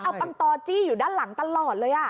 เอาปังตอจี้อยู่ด้านหลังตลอดเลย